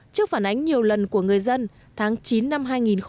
trước phản ánh nhiều lần của người dân tháng chín năm hai nghìn một mươi chín